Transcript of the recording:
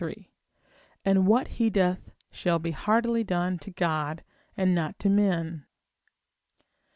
and what he doth shall be heartily done to God, and not to men.